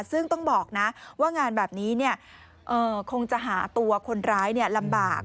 ซึ่งต้องบอกนะว่างานแบบนี้คงจะหาตัวคนร้ายลำบาก